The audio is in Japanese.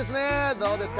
どうですか？